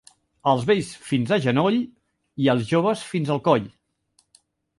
Als vells fins a genoll, i als joves fins al coll.